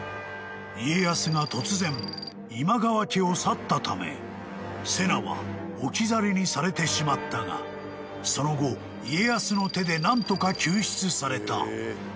［家康が突然今川家を去ったため瀬名は置き去りにされてしまったがその後家康の手で何とか救出された］